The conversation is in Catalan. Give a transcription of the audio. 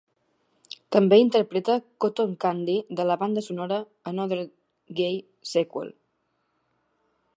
També interpreta "Cotton Candy", de la banda sonora "Another Gay Sequel".